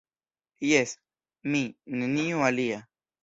Jes, mi, neniu alia.